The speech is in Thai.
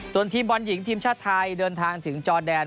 ส่วนทีมบอลหญิงทีมชาติไทยเดินทางถึงจอแดน